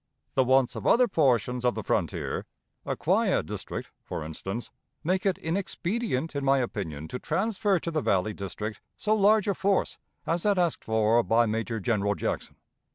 The wants of other portions of the frontier Acquia district, for instance make it inexpedient, in my opinion, to transfer to the Valley district so large a force as that asked for by Major General Jackson.